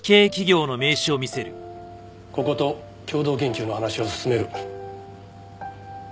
ここと共同研究の話を進める。